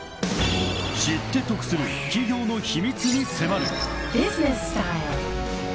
［知って得する企業の秘密に迫る］